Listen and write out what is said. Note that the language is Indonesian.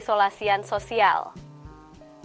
faktor kedua adalah keterangan dan kekecemasan sosial